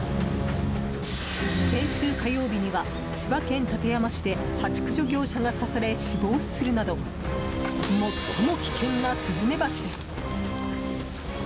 先週火曜日には、千葉県館山市でハチ駆除業者が刺され死亡するなど最も危険なスズメバチです。